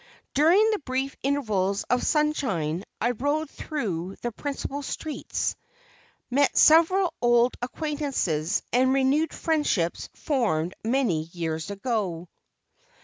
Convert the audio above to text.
During the brief intervals of sunshine I rode through the principal streets, met several old acquaintances, and renewed friendships formed many years ago.